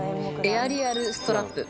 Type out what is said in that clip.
エアリアル・ストラップ。